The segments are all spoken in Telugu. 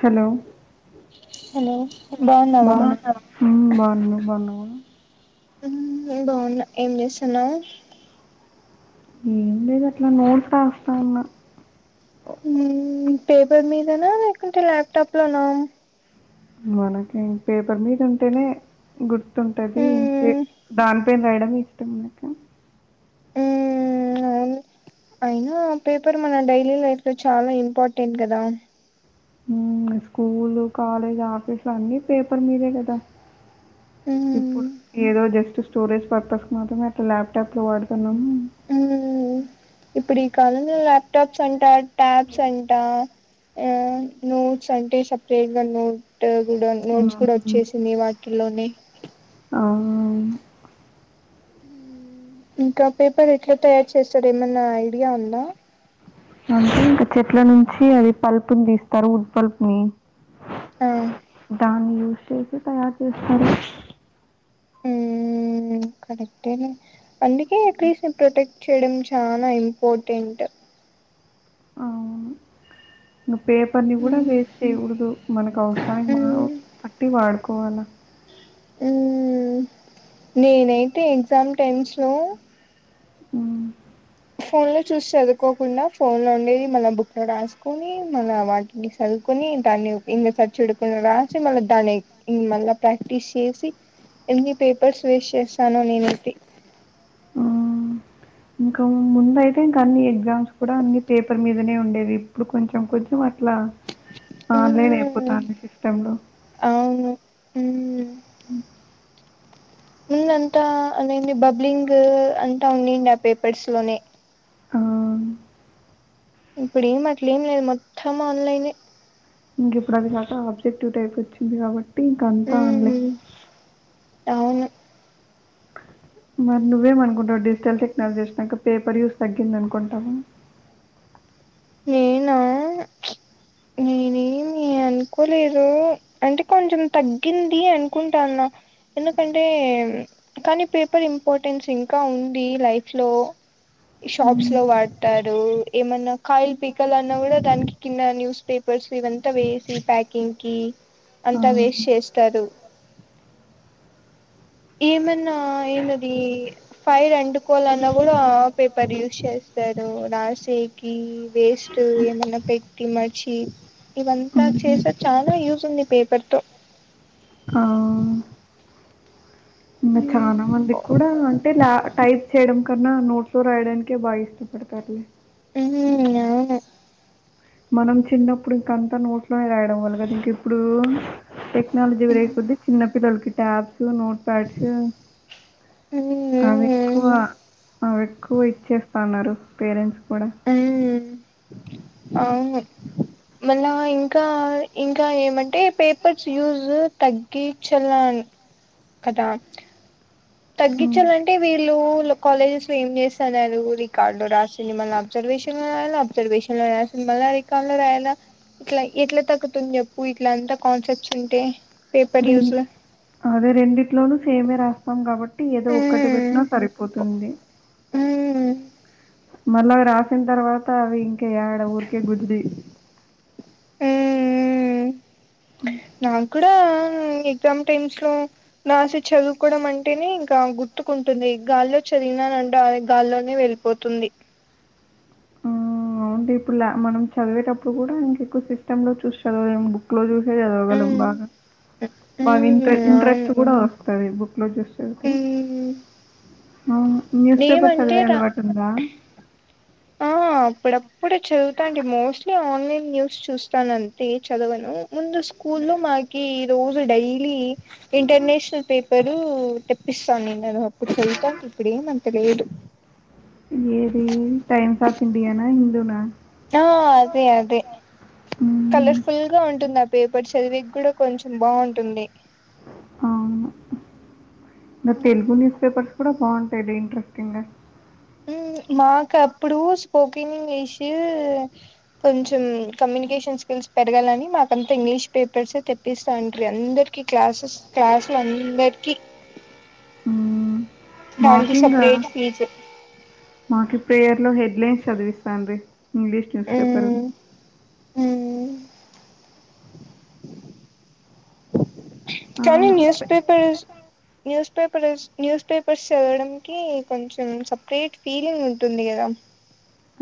హలో హలో బాగున్నావా ఉమ్ భాగున్నా నువ్వు భాగున్న నేన్‌ బావున్న ఏం చేస్తున్నావు ఏం లేదు అట్లా నోట్ రాస్తు ఉన్న పేపర్ మీదనా లేకుంటే ల్యాప్టాప్ లోనా మనకి పేపర్ మీద ఉంటేనే గుర్తుంటది మ్మ్ దానిపైన రాయడమె ఇష్టం నాక ఆ పేపర్ మన డైలీ లైఫ్ లో చాలా ఇంపార్టెంట్ కదా స్కూల్ కాలేజ్ ఆఫీసులు అన్నీ పేపర్ మీదే కదా మ్మ్ ఇప్పుడు ఏదో జస్ట్ స్టోరేజ్ పర్పస్కి మాత్రమే అట్ల ల్యాప్టాప్లో వాడుతున్నాము మ్మ్ ఇప్పుడు ఈ కాలంలో ల్యాప్టాప్స్ అంటా ట్యాబ్స్ అంటా ఆ నోట్స్ అంటే సపరేట్గా నోట్ కూడా నోట్స్ కూడ మ్మ్. వచ్చేసింది వాటిల్లోనే ఆ, ఇంకా పేపర్ ఎట్ల తయారు చేస్తారు ఏమన్నా ఐడియా ఉందా అంటే ఇంకా చెట్ల నుంచి అది పలుపుని తీస్తారు ఉడ్పలుపు ని ఆ దాన్ని యూస్ చేసి తయారు చేస్తారు కరెక్టే అందుక అట్లీస్ట్ ప్రొటెక్ట్ చెయడం చాలా ఇంపార్టెంట్ అవును ఇ పేపర్ ని కూడా ఉమ్ వేస్ట్ చేయకూడదు మనకు అవసానికి పట్టి వాడ కోవల ఉ నేనైతే ఎగ్జామ్ టెమ్స్ లో ఉమ్ ఫోన్ లో చూసి చదువుకోకుండా ఫోన్ లో ఉండేది మన బుక్ లో రాసుకుొని మన వాటిని చదువుకుొని దాన్ని ఇం సర్ చుడుకుని రాసి మళ్ళా దాన్ని మళ్ళా ప్రాక్టీస్ చేసి ఎన్ని పేపర్స్ వేస్ట్ చేసానో నేనైతే ఇంకా ముందయితే ఇంకా అన్ని ఎగ్జామ్స్ కూడా అన్ని పేప ర్ మీదనే ఉండేది ఇప్పుడు కొంచెం కొంచెం అట్ల ఆన్లైన్ అయిపోతు ఉమ్ తానే సిస్టమ్లో అవును ఉమ్ ముందంతా అనేది బబ్లింగ్ అంతా ఉన్నాడి ఆ పేపర్స్ లోనే ఆ ఇప్పుడు ఏం అట్లే ఏం లేదు మొత్తం ఆన్లైనే ఇంక ఇప్పుడు అది కాక ఆబ్జెక్టివ్ టైప్ వచ్చింది కాబట్టి ఇంక అంతా ఉమ్ ఆన్లైనె అవును [inaudible] మరి నువ్వెమ్ అనుకుంటావు డిజిటల్ టెక్నాలజేషన్ అక పేపర్ యూస్ తగ్గింది అనుకుంటావు [inaudible] నేనా నేను అనుకోలేదు అంటే కొంచెం తగ్గింది అనుకుంటా అన్న ఎందుకంటే కానీ పేపర్ ఇంపార్టెన్స్ ఇంకా ఉంది లైఫ్ లో షాప్స్ హ్మ్. లో వాడతారు ఏమన్నా కాయలు పీకల అన్నా కూడా దానికి కింద న్యూస్ పేపర్ పేపర్స్ ఇవంత వేసి సి ప్యాకింగ్ కి ఆ! అంతా వేస్ట్ చేస్తారు ఏమన్నా ఏంది అది ఫైర్ ఆటుకోవాలన్నా కూడా పేపర్ యూస్ చేస్ స్తారు రాసేకి వేస్ట్ ఏమన్నా పెట్టి మర్చి ఇవంతా ఖచ్చితంగా. హ్మ్. చేసే చాలా యూజ్ ఉంది పేపర్ తో ఆ ఇంగ చానా ఉమ్ మంది కూడా అంటే ల టైప్ చేయడం కన్నా నోట్స్ లో రాయడనికే బాగా ఇష్టపడతారు లే ఉ అవును మనం చిన్నప్పుడు ఇంకంతా నోట్లోనే రాయడం వల్ల కదా ఇంక ఇప్పుడు ఎక్ నాలుజి వేయి పోతే చిన్నపి లోలికి టాప్ నోట్పా్యాడ్స్ అవి ఎక్కువ అవి ఎక్కువ ఇచ్చేస్తా ఉన్నారు పేరెంట్స్ కూడా అవును మళ్ళా ఇంకా ఇంకా ఏమంటే పేపర్స్ యూజ్ తగ్గి చలా వే కదా హ్మ్. తగ్గించాలంటే వీళ్ళు కాలేజస్ ఏమ్ చేస్తానరు రికార్డు లో రాసింది మళ్ళీ అబ్జర్వేషన్ లో రాయల అబ్జర్వేషన్ లో రాసింది మళ్ళా రికార్ ఎట్లా రాయలా ఇట్లా ఎట్లా తగ్గుతుంది చెప్పు ఇట్లా అంత కాన్సెప్ట్స్ ఉంటే పేపర్ రెం యూస్ అదే రెండిట్లోనూ సేమే రాస్తాం కాబట్ టీ ఏదో ఒక్కటి పెట్టినా సరిపోతుంది మళ్ళవి రాసిన తర్వాత అవి ఇంక యాడ ఊరికే గుజిరి ఉ ఉ నా కూడాడా ఉ ఎగ్జామ్ టైమ్స్ లో రాసి చదువుకోవడం అంటేనే ఇంకా గుర్తుకుంటుంది గాల్లో చదివి చదివినారంటే ఆ గాల్లోనే వెళ్ళిపోతుంది ఆ మౌంట్ ఈ పుల్ల ఇప్పుడు మనం చదివేటప్పుడు కూడా ఇంకెక్కువ సిస్టమ్ లో చూసి చదవలేం బుక్ లో చూసి సే చదవగలం బాగా బాగా ఇ్ర ఇంట్రెస్ట్ అవును కూడా వస్తుంది బుక్ లో చూసి చదివితే అవును న్యూస్ పేపర్ ఏమంటే చదివే రా అలబటు ఉందా ఆ అప్పుడప్పుడే చదువుతాటి మోస్ట్లీ ఓన్లీ న్యూస్ చూస్తున్న టీ చదవను ముందు స్కూ లో మాకి రోజు డైలీ ఇంటర్నేషనల్ పేపరు తెప్పిస్తాన ఉన్నారు నేన్న అప్పుడు చదువుతాటీ ఇప్పుడు ఏమంత లేదు ఏది టైమ్స్ పాస్ ఇండియానా హిందూనా ఆ అదే అదే హ్మ్. కలర్ఫుల్ గా ఉంటుంది అన్ పేపర్ చదివి కూడా కొంచెం బాగుంటుంది అవును నా తెలుగు న్యూస్ పేపర్ కూడా బాగుంటాయిలే ఇంట్రెస్టింగ్ గా మ్ మాకు అప్పుడు స్పోకన్ ఇంగ్లీషసు కొంచెం కమ్యూనికేషన్ స్కిల్స్ పెరగాలని మాకంతా ఇంగ్లీష్ పేపర్స్ తెప్పిస్తా ఉంరి అందరు కి క్లాసెస్ క్లాసులందరికి. [inaudible] దానికి మేకింగా, సపరేట్ ఫీజు మాకి ప్రేయర్ లో హెడ్లైన్స్ చదివిస్తాండ్రి ఇంగ్లీష్ న్యూస్ పేపర్. కానీ అవును. న్యూస్ పె papers news paper news papers చదవడానికి కొంచెం సపరేట్ ఫీలింగ్ ఉంటుంది కదా? [inaudible]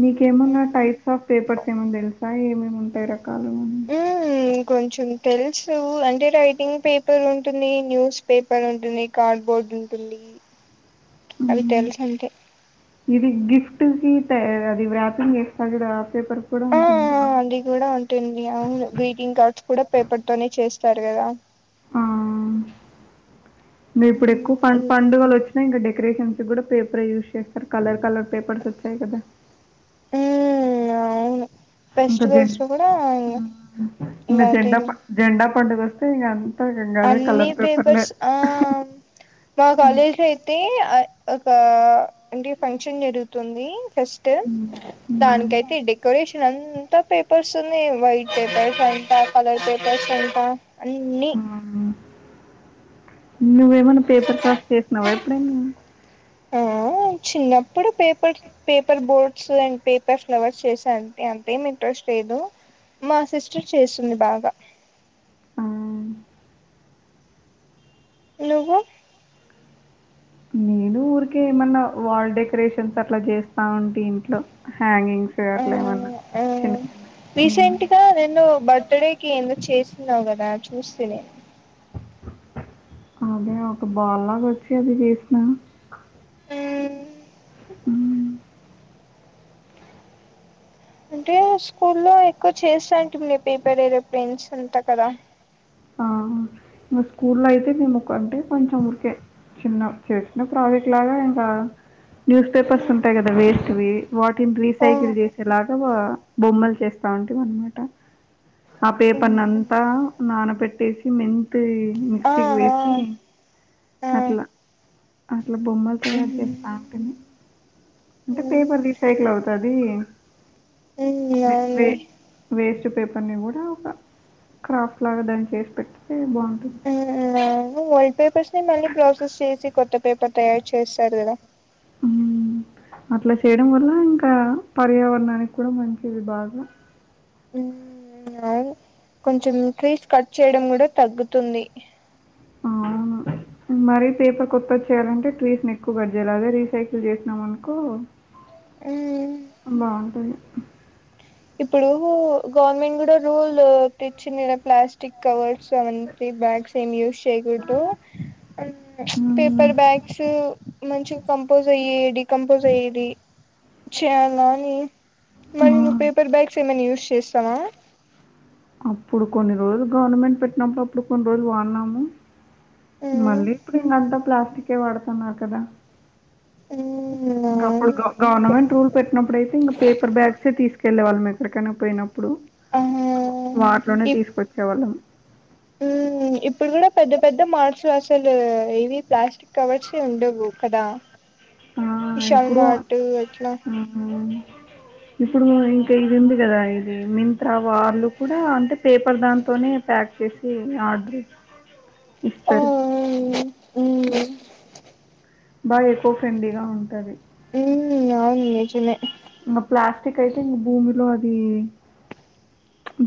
మీకేమన్నా టైప్స్ ఆఫ్ పేపర్స్ ఏమన్నా తెలుసా ఏమేమి ఉంటాయి రకాలు. మ్మ్ కొంచెం తెలుసు అంటే రైటింగ్ పేపర్ ఉంటుంది. న్యూస్ పేపర్ ఉంటుంది. కార్డ్బోర్డు. ఉంటుంది. [inaudible] అవి హ్మ్. తెలుసు అంతే ఇది గిఫ్ట్ కి అది ర్యాపింగ్ చేస్తాము చూడు పేపర్ కూడా ఆ ఉంటుంది కదా! అది కూడా ఉంటుంది అవును గ్రీటింగ్ కార్డ్స్ కూడా పేపర్ తోనే చేసి చేస్తారు కదా మే ఇప్పుడు ఎక్కువ మ్మ్ పండుగలు వచ్చినా ఇంక డెకరేషన్స్ కూడా పేపర్ యూజ్ చేస్తారు. కలర్ కలర్ పేపర్స్ వచ్చాయి కదా. మ్ అవును. ఇంకా జన్ ఫెస్టివల్స్ లో కూడా ఇంగ ఇంక జండా అదేలే జెండా పండుగ వస్తే అన్ అన్నీ పేపర్స్ ఆ మా కాలేజ్ అయితే ఒక అంటే ఫంక్షన్ జరుగుతుంది ఫస్ట్ హ్మ్. హ్మ్. దానికయితే డెకరేషన్ అంతా. అంత పేపర్స్ ఉన్నాయి వైట్ పేపర్స్ అంట కలర్ పేపర్స్ అంత అన్నీ. హ్మ్. నువ్వేమన్నా పేపర్ క్రాఫ్ట్ చేసినావా ఎప్పుడైనా? ఆ చిన్నప్పుడు papers paper boats and paper flowers చేశా అంతే అంతేమి ఇంట్రెస్ట్ లేదు మా సిస్టర్ చేస్తుంది బాగా మ్ నువ్వూ నేను ఊరికే ఏమన్నా వాల్ డెకరేషన్స్ అట్లా చేస్తా ఉంటి ఇంట్లో. హ్యాంగింగ్స్ అట్లా ఏమన్నా చిన్న చిన్న హ్మ్. రీసెంట్గా నిన్ను బర్త్డేకి ఏందో చేసిన్నావు కదా చూస్తిని. అదే ఒక బాల్ లాగ వచ్చింది చేసినాను. మ్ అంటే స్కూల్లో ఎక్కువ చేస్తాంటమి పేపర్ ఎరోప్లైన్స్ అంతా కదా ఆ ఇంకా స్కూల్లో అయితే మేము అంటే కొంచెం ఊరికే చిన్న చేసిన ప్రాజెక్ట్ లాగా ఇంకా న్యూస్ పేపర్స్ ఉంటాయి కదా వేస్ట్వి. వాటిని ఆ రీసైకిల్ చేసేలాగా బొమ్మలు చేసి చేస్తాంటిమి అన్నమాట. ఆ పేపర్నీ అంతా నానా బెట్టి పేట్టేసి మెంతి ఆ మిక్సీకి వేసి ఆ ఆ అట్లా, అట్లా బొమ్మలు తయారు చేస్తాంటిమి. అంటే పేపర్ రీ సైకిల్ అవుతాది. వే అవునులే వేస్ట్ పేపర్ ని కూడా ఒక క్రాఫ్ట్ లాగా దాన్ని చేసి పెట్తే బాగుంటుంది. ఆ వైట్ పేపర్స్ ని మళ్ళీ ప్రాసెస్ చేసి కొత్త పేపర్ తయారు చేస్తారు కదా? మ్ హు అట్లా చేయడం వల్ల ఇంకా పర్యావరణానికి కూడా మంచిది బాగా డ మ్ కొంచం ఇంక్రీజ్ కట్ చేయడం కూడా తగ్గుతుంది ఆ మరీ పేపర్ కొత్త వచ్చేయాలంటే ట్రీస్ ని ఎక్కువ పడ్జేయిిదే రీసైకిల్ చేసినాం అనుకో బాగుంటంది ఇప్పుడు గవర్నమెంట్ కూడా రూల్ తెచ్చింది ప్లాస్టిక్ కవర్స్ అవన్న బ్యాగ్స్ ఏం యూస్ చేయకూడదు హ్మ్. పేపర్ బ్యాగ్స్ మంచి కంపోజ్ అయ్యే డి కంపోజ్ అయ్యేది చేయాల అని ఆ! మరి ను బైక్స్ ఏమ యూస్ చేస్తామా అప్పుడు కొన్ని రోజులు గవర్నమెంట్ పెట్టినప్పుడు అప్పుడు కొన్ని రోజులు వాడినాము మళ్ళీ ఇప్పుడు ఇన్నంతా ప్లాస్టిక్ే వాడుతున్నారు కదా ఇంకా అప్పుడు గవర్నమెంట్ రూల్ పెట్టినప్పుడుయితే ఇంకా పేపర్ బ్యాగ్సే తీసుకు వెళ్ళ వాళ్ళ ఎక్కకైనా పోయినప్పు ఆ వాటిలోనే ఇప్ తీసుకొచ్చే వాళ్ళం ఇప్పుడు కూడా పెద్ద పెద్ద మార్స్ అసలు ఏవి ప్లాస్టిక్ కవర్స్ ఉండవు కదా ఆ, విశాల్ ఇప్పుడు మాట్ అట్లా ఆ, ఇప్పుడు ఇంకా ఇది ఉంది కదా ఇది మింత వార్లు కూడా అంటే పేపర్ దాని తనే ప్యాక్ వ చేేసి ఆడీ ఆ ఇస్తస్తారు బాగా ఎక్కువ ఫ్రెండ్లీగా ఉంటది ఉ అవును నిజమే ఇకా ప్లాస్టిక్ అయితే ఇంకా భూమిలో అది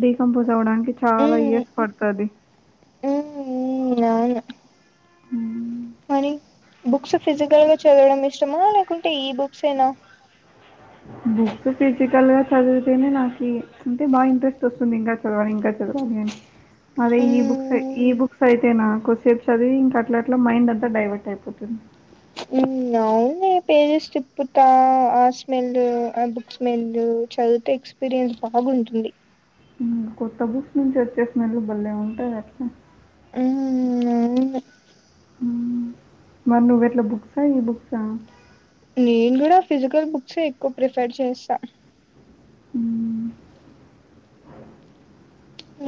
డకంపోజ్ అవడానికి చాలా ఇయర్స్ పడతది హ అనీ బుక్స్ ఫిజికల్ గా చదవడం ఇష్టమా లేకుంటే ఈ బుక్స్ేనా బుక్స్ ఫిజికల్ గా చదివితేనే నాకు అంటే బాగా ఇంట్రెస్ట్ వస్తుంది ఇంకా చదవాలి ఇంకా చ కని అదే ఈ బుక్స్ మ్మ్ ఈ బుక్స్ అయితే నా కొసేప్స్ చదివి ఇంక అట్లా అట్లా మైండ్ అంతా డైవర్ట్ అయిపోతుంది ఉన యి పేజెస్ తిప్పుతా ఆ స్మెల్ ఆ బుక్ స్మెల్ చదివితే ఎక్స్పీరియన్స్ బా బాగుంటుంది కొత్త బుక్స్ నుంచి వచ్చేసినళ్ళ బళ్లే ఉంటాయి అట్లా ఉమ్ ఉమరి నువ్వు ఎట్లా బుక్సా ఈ బుక్సా నేను కూడా ఫిజికల్ బుక్స్ే ఎక్కువ ప్రిఫర్ చేస్తా అమ్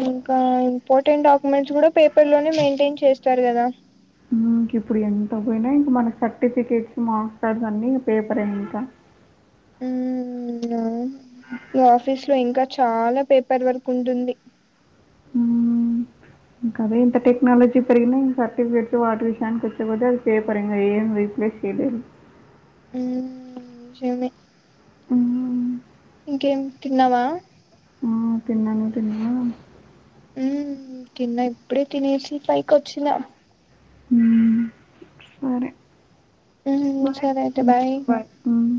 ఇంకా ఇంపార్టెంట్ డాక్యుమెంట్స్ కూడా పేపర్ లోనే మెయింటైన్ చేస్తారు కదా ఇంక ఇప్పుడు ఎంత పోయినా ఇంక మనకి సర్టిఫికేట్స్ మాస్టార్డ్స్ అన్ని ఇం పేపర్ ఇంక [inaudible] ఆఫీస్ లో ఇంకా చాలా పేపర్ వర్క్ ఉంటుంది ఇక అదేంత టెక్నాలజీ ప సర్ఫికెట్స్ వాటర్ విషన్ కొతే అది కేే ఏం రీప్లేస్ షీద నిజమే మ్ ఉ ఇంకేం తిన్నావా? ఆ! తిన్నాను. తిన్నావా? మ్ తిన్నా ఇప్పుడే, తినేసి పైకి వచ్చిన హ్మ్. సరే. మ్ సరే అయితే హ్మ్. బాయ్. హ్మ్.